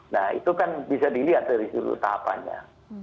nah itu kan bisa dilihat dari seluruh tahapannya